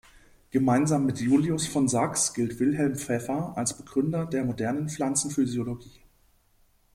Gemeinsam mit Julius von Sachs gilt Wilhelm Pfeffer als Begründer der modernen Pflanzenphysiologie.